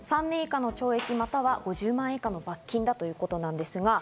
３年以下の懲役、または５０万円以下の罰金ということですね。